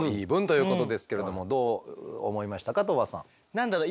何だろう